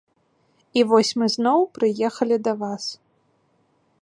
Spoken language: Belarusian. У вось мы зноў прыехалі да вас.